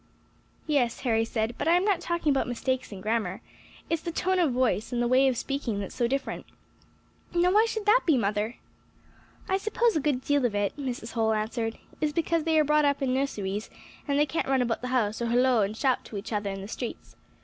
"Yes," Harry said; "but I am not talking about mistakes in grammar; it's the tone of voice, and the way of speaking that's so different. Now why should that be, mother?" "I suppose a good deal of it," Mrs. Holl answered, "is because they are brought up in nusseries, and they can't run about the house, or holloa or shout to each other in the streets.